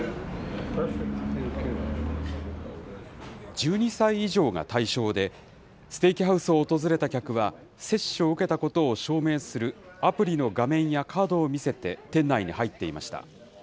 １２歳以上が対象で、ステーキハウスを訪れた客は、接種を受けたことを証明するアプリの画面やカードを見せて、店内に入っていました。